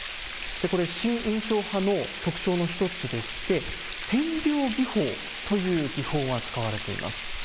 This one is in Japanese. これ、新印象派の特徴の一つでして、点描技法という技法が使われています。